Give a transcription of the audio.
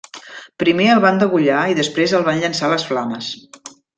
Primer el van degollar i després el van llençar a les flames.